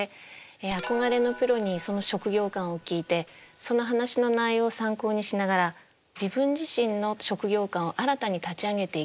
憧れのプロにその「職業観」を聞いてその話の内容を参考にしながら自分自身の「職業観」を新たに立ち上げていく。